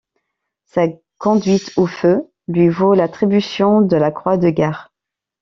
Sa conduite au feu lui vaut l'attribution de la croix de guerre.